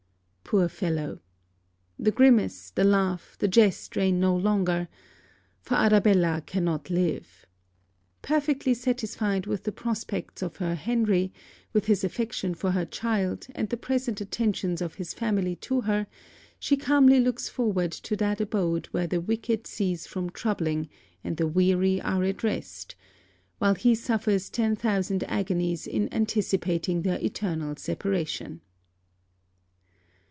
Poor fellow! The grimace, the laugh, the jest reign no longer; for Arabella cannot live! Perfectly satisfied with the prospects of her Henry, with his affection for her child, and the present attentions of his family to her, she calmly looks forward to that abode where the wicked cease from troubling and the weary are at rest; while he suffers ten thousand agonies in anticipating their eternal separation.